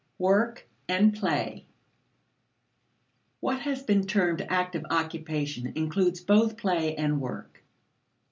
Work and Play. What has been termed active occupation includes both play and work.